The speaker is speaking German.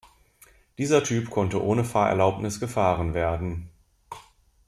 Dieser Typ konnte ohne Fahrerlaubnis gefahren werden.